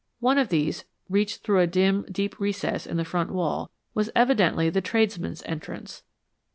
One of these, reached through a dim, deep recess in the front wall, was evidently the tradesmen's entrance.